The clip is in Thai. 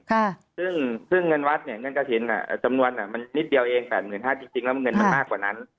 ค่ะซึ่งซึ่งเงินวัดเนี่ยเงินกระถิ่นอ่ะจำนวนอ่ะมันนิดเดียวเองแปดหมื่นห้าจริงจริงแล้วเงินมันมากกว่านั้น